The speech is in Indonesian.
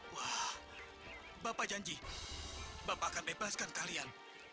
wah bapak janji bapak akan bebaskan kalian